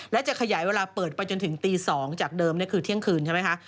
และจะขยายเวลาเปิดไปจนถึงตี๒จากเดิมคือเที่ยงคืนใช่ไหมคะ